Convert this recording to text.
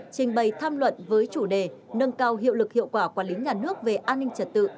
trình bày tham luận với chủ đề nâng cao hiệu lực hiệu quả quản lý nhà nước về an ninh trật tự